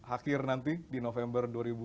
akhir nanti di november